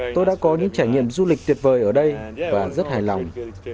tôi đã có những trải nghiệm du lịch tuyệt vời ở đây và rất hài lòng